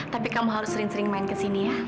tapi kamu harus sering sering main kesini ya